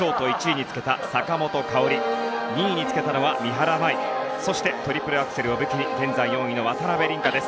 ショート１位につけた坂本花織２位につけたのは三原舞依そしてトリプルアクセルを武器に現在４位の渡辺倫果です。